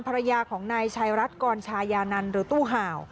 ภรรยาของนายชายรัฐกรชายานันหรือตู้ห่าว